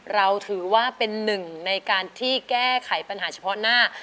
เราถือว่าเป็นหนึ่งในการที่แก้ไขปัญหาเฉพาะหน้า